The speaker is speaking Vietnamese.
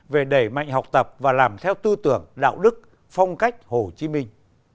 về đẩy mạnh học tập và làm theo tư tưởng đạo đức phong cách hồ chí minh